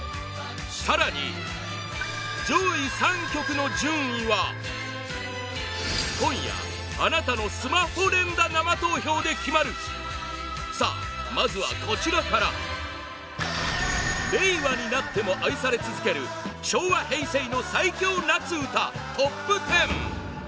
更に、上位３曲の順位は今夜あなたのスマホ連打生投票で決まるさあ、まずはこちらから令和になっても愛され続ける昭和・平成の最強夏うたトップ１０！